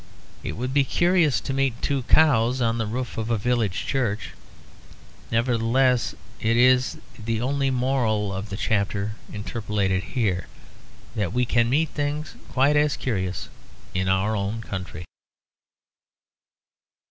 It would be curious to meet two cows on the roof of a village church. Nevertheless it is the only moral of the chapter interpolated here, that we can meet things quite as curious in our own country.